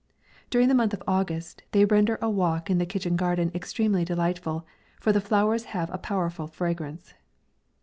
During the month of August, they render a walk in the kitchen garden extremely delight ful ; for the flowers have a powerful fragrance.